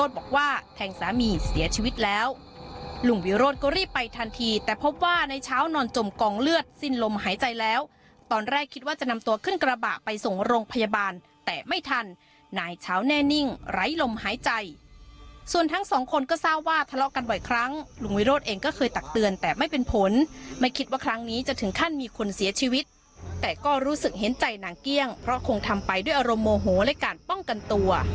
ตอนแรกคิดว่าจะนำตัวขึ้นกระบะไปส่งโรงพยาบาลแต่ไม่ทันนายเช้าแน่นิ่งไร้ลมหายใจส่วนทั้งสองคนก็ทราบว่าทะเลาะกันบ่อยครั้งลุงวิโรธเองก็เคยตักเตือนแต่ไม่เป็นผลไม่คิดว่าครั้งนี้จะถึงขั้นมีคนเสียชีวิตแต่ก็รู้สึกเห็นใจนางเกี้ยงเพราะคงทำไปด้วยอารมณ์โมโหและการป้องกันต